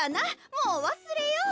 もうわすれよう。